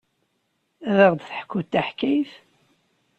Ad aɣ-d-teḥkuḍ taḥkayt?